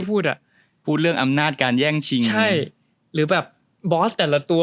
พูดอ่ะพูดเรื่องอำนาจการแย่งชิงใช่หรือแบบบอสแต่ละตัว